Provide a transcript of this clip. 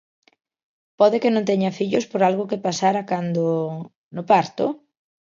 Pode que non teña fillos por algo que pasara cando... no parto?